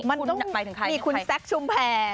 มันต้องมีคุณแซคชุมแพร